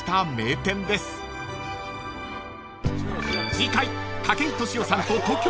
［次回］